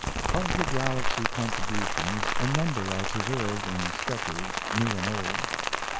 ] Of the Galaxy contributions a number are preserved in Sketches New and Old.